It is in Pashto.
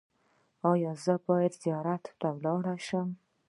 ایا زه باید زیارت ته لاړ شم؟